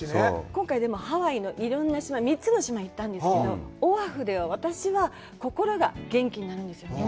今回、でも、ハワイのいろんな島、３つの島に行ったんですけど、オアフでは私は心が元気になるんですよね。